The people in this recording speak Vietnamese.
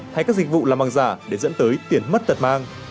hay các dịch vụ làm bằng giả để dẫn tới tiền mất tật mang